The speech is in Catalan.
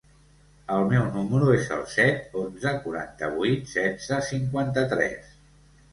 El meu número es el set, onze, quaranta-vuit, setze, cinquanta-tres.